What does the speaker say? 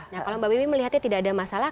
nah kalau mbak wiwi melihatnya tidak ada masalah